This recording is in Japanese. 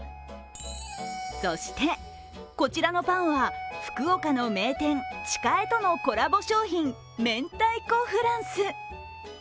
そして、こちらのパンは福岡の名店、稚加榮とのコラボ商品、明太子フランス。